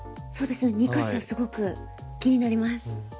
そうですね２か所すごく気になります。